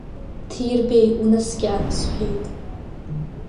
Ҭиарбеи, унаскьа, — сҳәеит.